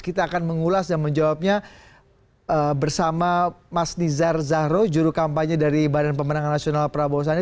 kita akan mengulas dan menjawabnya bersama mas nizar zahro juru kampanye dari badan pemenangan nasional prabowo sani